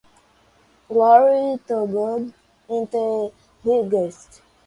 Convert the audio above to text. Glory to God in the Highest!